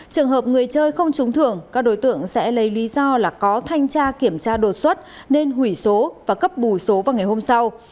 trường hợp người chơi không trúng thưởng các đối tượng sẽ lấy lý do là có thanh tra kiểm tra đột xuất nên hủy số và cấp bù số vào ngày hôm sau